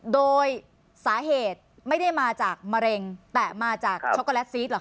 โดยสาเหตุไม่ได้มาจากมะเร็งแต่มาจากช็อกโกแลตซีสเหรอค